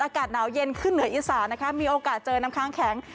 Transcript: อากาศหนาวเย็นขึ้นเหนืออีสานนะคะมีโอกาสเจอน้ำค้างแข็ง